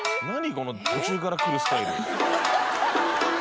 この途中から来るスタイル。